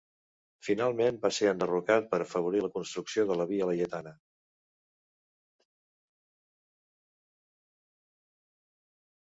Finalment va ser enderrocat per afavorir la construcció de la Via Laietana.